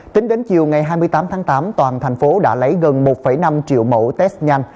tính đến chiều ngày hai mươi tám tháng tám toàn thành phố đã lấy gần một năm triệu mẫu test nhanh